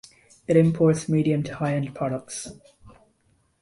It imports medium to high-end products.